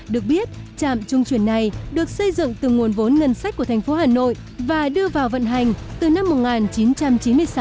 được biết trạm trung chuyển này được xây dựng từ nguồn vốn ngân sách của thành phố hà nội và đưa vào vận hành từ năm một nghìn chín trăm chín mươi sáu